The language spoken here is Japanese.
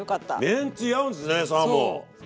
めんつゆ合うんですねサーモン。